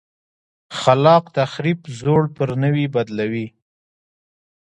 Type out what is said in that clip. خلاق تخریب زوړ پر نوي بدلوي.